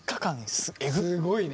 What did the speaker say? すごいね。